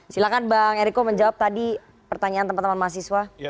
silahkan bang eriko menjawab tadi pertanyaan teman teman mahasiswa